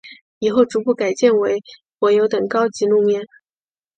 以后逐步改建为柏油等高级路面。